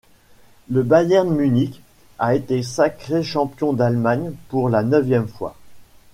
Le Bayern Munich a été sacré champion d'Allemagne pour la neuvième fois.